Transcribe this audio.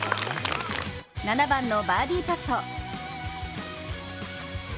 ７番のバーディーパット。